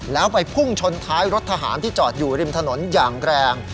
แล้วไปพุ่งชนท้ายรถทหารที่จอดอยู่ริมถนนอย่างแรง